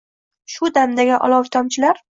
Shu damdagi olov tomchilar